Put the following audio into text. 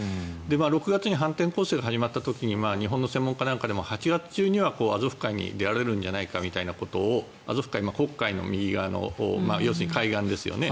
６月に反転攻勢が始まった時に日本の専門家なんかでも８月中にはアゾフ海に出られるんじゃないかみたいなことをアゾフ海、黒海の右側の要するに海岸ですよね。